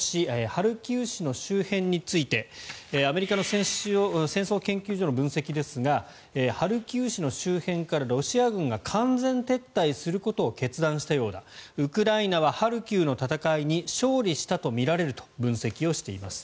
ハルキウ市の周辺についてアメリカの戦争研究所の分析ですがハルキウ市の周辺からロシア軍が完全撤退することを決断したようだウクライナはハルキウの戦いに勝利したとみられると分析をしています。